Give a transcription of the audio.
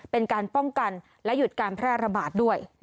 เป็นการป้องกันและหยุดการแพร่ระบาดด้วย